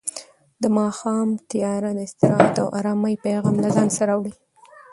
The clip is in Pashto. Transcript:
د ماښام تیاره د استراحت او ارامۍ پیغام له ځان سره راوړي.